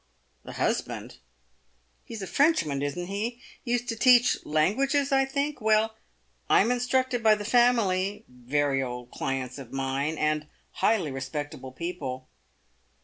"The husband! He's a Frenchman, isn't he? Used to teach languages, I. think? Well,. I'm instructed by the family — very old clients of mine, and highly respectable people."